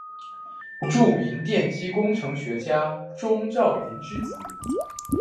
著名电机工程学家钟兆琳之子。